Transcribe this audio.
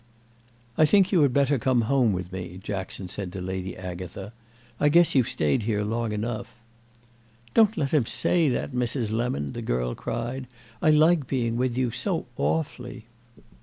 "I think you had better come home with me," Jackson said to Lady Agatha; "I guess you've stayed here long enough." "Don't let him say that, Mrs. Lemon!" the girl cried. "I like being with you so awfully."